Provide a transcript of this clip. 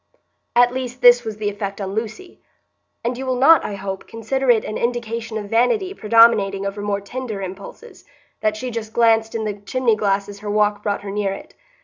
At least this was the effect on Lucy; and you will not, I hope, consider it an indication of vanity predominating over more tender impulses, that she just glanced in the chimney glass as her walk brought her near it.